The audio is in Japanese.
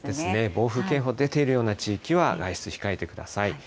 暴風警報出ているような地域は外出控えてください。